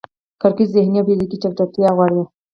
کرکټ ذهني او فزیکي چټکتیا غواړي.